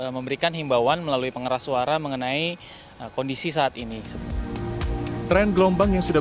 memberikan himbawan melalui pengeras suara mengenai kondisi saat ini tren gelombang yang sudah